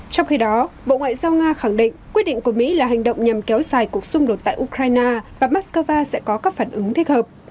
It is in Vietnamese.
trong khi đó bộ ngoại giao nga khẳng định quyết định của mỹ là hành động nhằm kéo xài cuộc xung đột tại ukraine và moscow sẽ có các phản ứng thích hợp